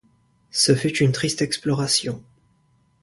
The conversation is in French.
Ce fut une triste exploration.